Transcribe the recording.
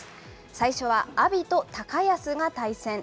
最初は阿炎と高安が対戦。